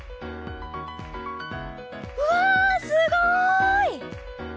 うわすごい！